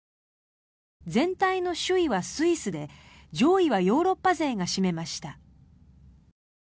全体の首位はスイスで上位はヨーロッパ勢が占めました。